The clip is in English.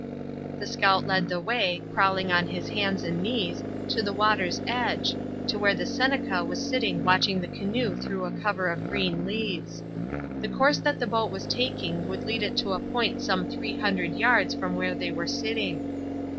The scout led the way, crawling on his hands and knees, to the water's edge, to where the Seneca was sitting watching the canoe through a cover of green leaves. The course that the boat was taking would lead it to a point some three hundred yards from where they were sitting.